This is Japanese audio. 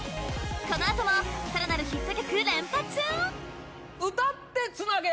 このあともさらなるヒット曲連発歌ってつなげ！